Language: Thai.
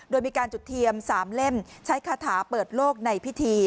โดยมีการจุดเทียม๓เล่มใช้คาถาเปิดโลกในพิธี